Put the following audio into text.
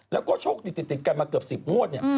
แล้วก็โชคดีติดกันมาเกือบ๑๐งวดเนี่ย